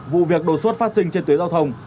vụ việc đột xuất phát sinh trên tuyến giao thông